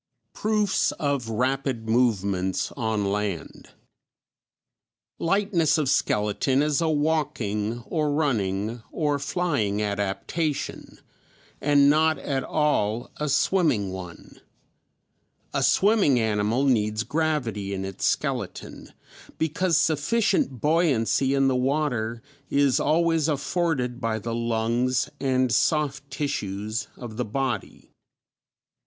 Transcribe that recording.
Proofs of Rapid Movements on Land. Lightness of skeleton is a walking or running or flying adaptation, and not at all a swimming one; a swimming animal needs gravity in its skeleton, because sufficient buoyancy in the water is always afforded by the lungs and soft tissues of the body.